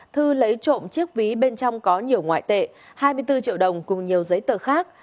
thư lấy trộm chiếc ví bên trong có nhiều ngoại tệ hai mươi bốn triệu đồng cùng nhiều giấy tờ khác